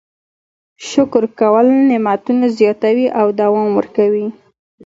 شکر کول نعمتونه زیاتوي او دوام ورکوي.